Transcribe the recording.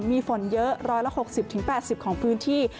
มีฝนเยอะ๑๖๐๘๐ของพื้นที่